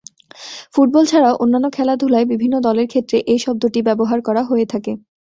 Football ছাড়াও অন্যান্য খেলাধুলায় বিভিন্ন দলের ক্ষেত্রে এই শব্দটি ব্যবহার করা হয়ে থাকে।